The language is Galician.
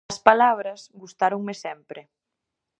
As palabras gustáronme sempre.